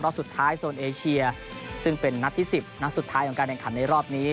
สุดท้ายโซนเอเชียซึ่งเป็นนัดที่๑๐นัดสุดท้ายของการแข่งขันในรอบนี้